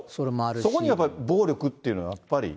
そこにやっぱり暴力っていうのは、やっぱり。